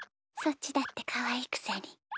そっちだってかわいいくせに。